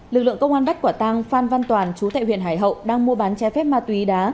lực lượng công an bắt quả tang phan văn toàn chú tại huyện hải hậu đang mua bán trái phép ma túy đá